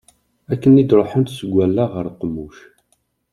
Akken i d-ruḥent seg wallaɣ ɣer uqemmuc.